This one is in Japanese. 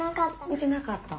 見てなかった？